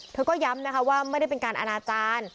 เธอก็ย้ำนะคะว่าไม่ได้เป็นการอนาจารย์